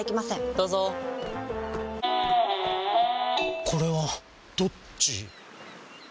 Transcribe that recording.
どうぞこれはどっち？